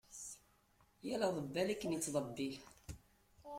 Kul aḍebbal akken ittḍebbil.